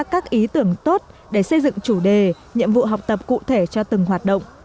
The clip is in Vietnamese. các ý tưởng tốt để xây dựng chủ đề nhiệm vụ học tập cụ thể cho từng hoạt động